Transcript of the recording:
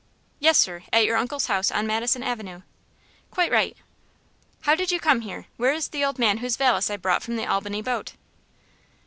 "Yes, sir. At your uncle's house on Madison Avenue." "Quite right." "How did you come here? Where is the old man whose valise I brought from the Albany boat?"